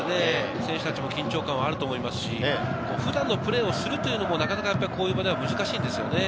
選手たちも緊張感あると思いますし、普段のプレーをするというのも、なかなかこういう場では難しいんですよね。